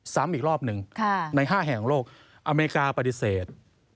ซ้ำอีกรอบหนึ่งใน๕แห่งโลกอเมริกาปฏิเสธ